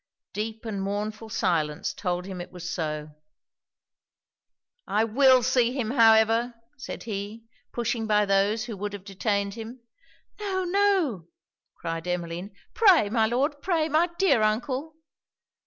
Deep and mournful silence told him it was so. 'I will see him, however,' said he, pushing by those who would have detained him. 'No, no,' cried Emmeline. 'Pray, my Lord! pray, my dear uncle!'